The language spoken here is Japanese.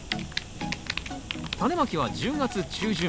タネまきは１０月中旬。